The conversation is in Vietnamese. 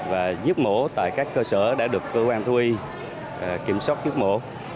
và giúp mổ tại các cơ sở đã được cơ quan thu y kiểm soát giúp mổ